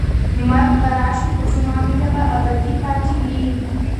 مرګ به راشي خو زما مینه به ابدي پاتې وي.